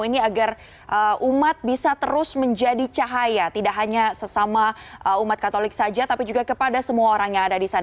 ini agar umat bisa terus menjadi cahaya tidak hanya sesama umat katolik saja tapi juga kepada semua orang yang ada di sana